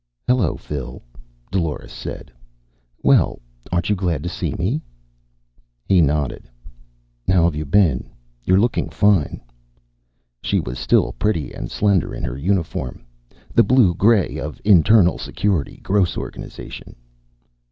"Hello, Phil," Dolores said. "Well, aren't you glad to see me?" He nodded. "How have you been? You're looking fine." She was still pretty and slender in her uniform, the blue grey of Internal Security, Gross' organization.